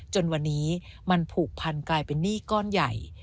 จนวันนี้มันผูกพันกลายเป็นหนี้ก้อนใหญ่